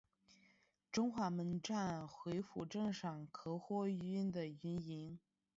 中华门站恢复正常客货运的运营。